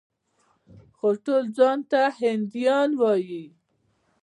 خو ټول ځان ته هندیان وايي.